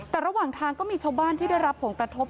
แต่ระหว่างทางก็มีชาวบ้านที่ได้รับผลกระทบ